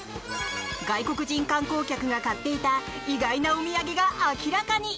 外国人観光客が買っていた意外なお土産が明らかに。